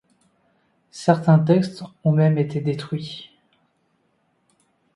Certains textes ont même été détruits.